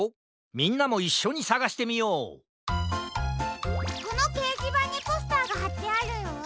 みんなもいっしょにさがしてみようこのけいじばんにポスターがはってあるよ。